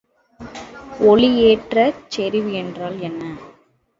ஒளி ஏற்றச் செறிவு என்றால் என்ன?